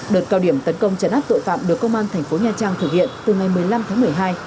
đợt cao điểm tấn công chấn áp tội phạm được công an thành phố nha trang thực hiện từ ngày một mươi năm tháng một mươi hai